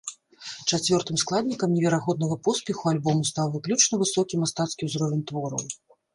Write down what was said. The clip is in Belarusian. Чацвёртым складнікам неверагоднага поспеху альбому стаў выключна высокі мастацкі ўзровень твораў.